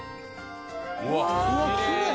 うわっきれい！